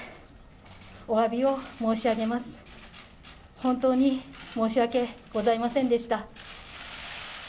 本当に申し訳ございませんでした。